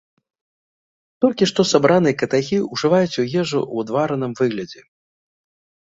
Толькі што сабраныя катахі ўжываюць у ежу ў адвараным выглядзе.